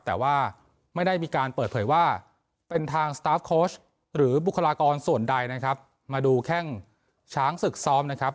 แต่ว่าไม่ได้มีการเปิดเผยว่าเป็นทางสตาร์ฟโค้ชหรือบุคลากรส่วนใดนะครับมาดูแข้งช้างศึกซ้อมนะครับ